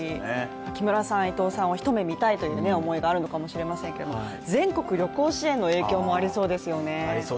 木村さん、伊藤さんを一目みたいという影響もあると思いますが全国旅行支援の影響もありそうですよね。